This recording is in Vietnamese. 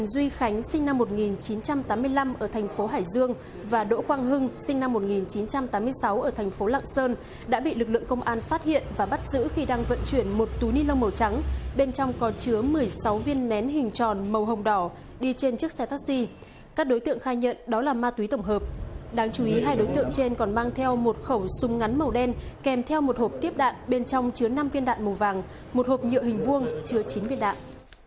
được lượng công an phát hiện và bắt giữ khi đang vận chuyển một túi ni lông màu trắng bên trong còn chứa một mươi sáu viên nén hình tròn màu hồng đỏ đi trên chiếc xe taxi các đối tượng khai nhận đó là ma túy tổng hợp đáng chú ý hai đối tượng trên còn mang theo một khẩu súng ngắn màu đen kèm theo một hộp tiếp đạn bên trong chứa năm viên đạn màu vàng một hộp nhựa hình vuông chứa chín viên đạn